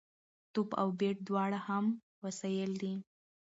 توپ او بېټ دواړه مهم وسایل دي.